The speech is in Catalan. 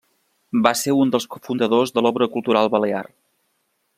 Va ser un dels cofundadors de l'Obra Cultural Balear.